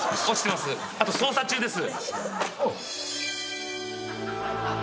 あと捜査中です。